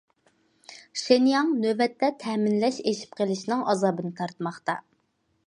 شېنياڭ نۆۋەتتە تەمىنلەش ئېشىپ قېلىشنىڭ ئازابىنى تارتماقتا.